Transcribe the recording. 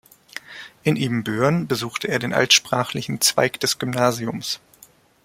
In Ibbenbüren besuchte er den altsprachlichen Zweig des Gymnasiums.